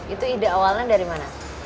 itu ide awalnya dari mana